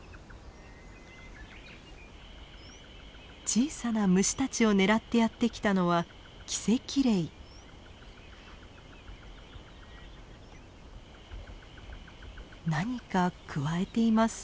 小さな虫たちを狙ってやって来たのは何かくわえています。